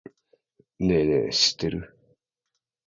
ねぇねぇ、知ってる？